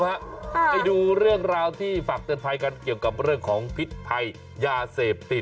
ไปดูเรื่องราวที่ฝากเตือนภัยกันเกี่ยวกับเรื่องของพิษภัยยาเสพติด